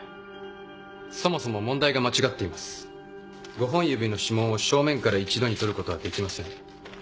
五本指の指紋を正面から一度に採ることはできません。